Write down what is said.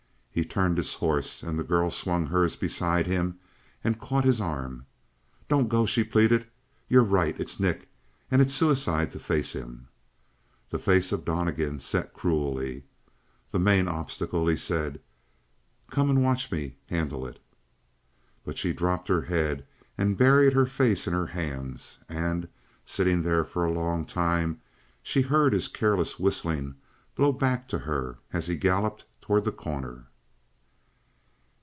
He turned his horse, and the girl swung hers beside him and caught his arm. "Don't go!" she pleaded. "You're right; it's Nick, and it's suicide to face him!" The face of Donnegan set cruelly. "The main obstacle," he said. "Come and watch me handle it!" But she dropped her head and buried her face in her hands, and, sitting there for a long time, she heard his careless whistling blow back to her as he galloped toward The Corner.